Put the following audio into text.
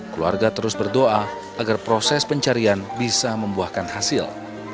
keluarga terus berdoa agar proses pencarian bisa membuahkan hasil